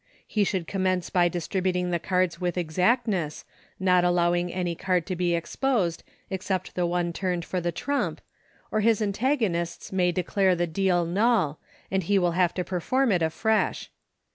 He should commence by distribu ting the cards with exactness, not allowing any card to be exposed, except the one turned for the trump, or his antagonists may declare the deal null, and he will have to per form it afresh.